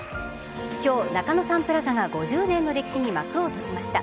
今日、中野サンプラザが５０年の歴史に幕を閉じました。